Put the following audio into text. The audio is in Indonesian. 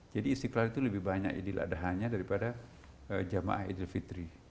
jadi istiqlal itu lebih banyak idil adhanya daripada jamaah idil fitri